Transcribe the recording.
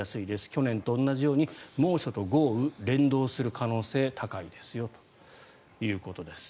去年と同じように猛暑と豪雨が連動する可能性が高いですよということです。